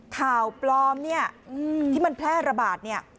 ข่าวปลอมที่มันแพร่ระบาด